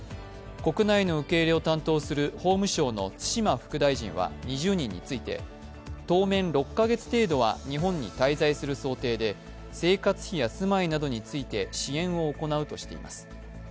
国内の受け入れを担当する法務省の津島副大臣は２０人について当面６カ月程度は日本に滞在する想定で生活費や住まいなどについて支援を行うとしています。